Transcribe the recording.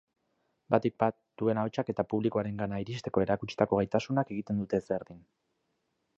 Batik bat, duen ahotsak eta publikoarengana iristeko erakutsitako gaitasunak egiten dute ezberdin.